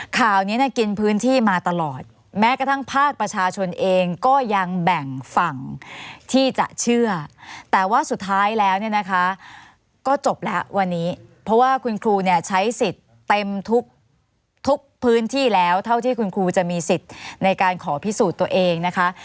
ข่าวนี้เนี่ยกินพื้นที่มาตลอดแม้กระทั่งภาคประชาชนเองก็ยังแบ่งฝั่งที่จะเชื่อแต่ว่าสุดท้ายแล้วเนี่ยนะคะก็จบแล้ววันนี้เพราะว่าคุณครูเนี่ยใช้สิทธิ์เต็มทุกพื้นที่แล้วเท่าที่คุณครูจะมีสิทธิ์ในการขอพิสูจน์ตัวเองนะคะ